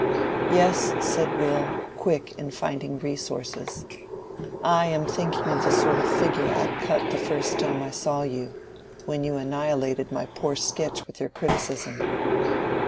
"Yes," said Will, quick in finding resources. "I am thinking of the sort of figure I cut the first time I saw you, when you annihilated my poor sketch with your criticism."